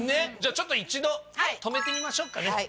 じゃちょっと一度止めてみましょうかね。